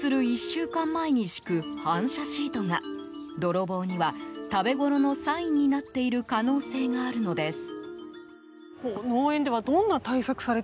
１週間前に敷く反射シートが、泥棒には食べごろのサインになっている可能性があるのです。